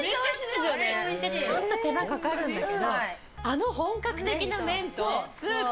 ちょっと手間かかるんだけどあの本格的な麺とスープ。